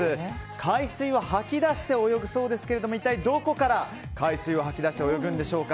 海水を吐き出して泳ぐそうですがどこから海水を吐き出して泳ぐんでしょうか。